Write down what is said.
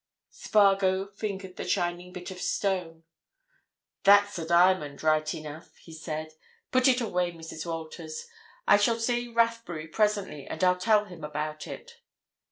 Spargo fingered the shining bit of stone. "That's a diamond—right enough," he said. "Put it away, Mrs. Walters—I shall see Rathbury presently, and I'll tell him about it.